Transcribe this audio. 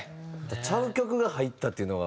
ちゃう曲が入ったっていうのが。